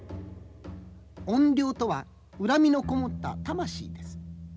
怨霊とは恨みの籠もった魂です。